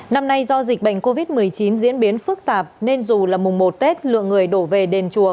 năm nay do dịch bệnh covid một mươi chín diễn biến phức tạp nên dù là mùng một tết lượng người đổ về đền chùa